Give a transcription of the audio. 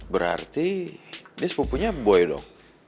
berarti dia sepupunya boy dong